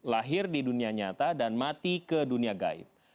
lahir di dunia nyata dan mati ke dunia gaib